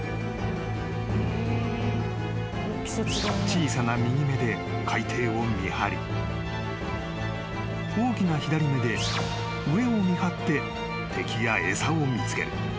［小さな右目で海底を見張り大きな左目で上を見張って敵や餌を見つける］